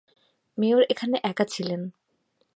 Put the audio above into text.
Mayor এখানে একা ছিলেন।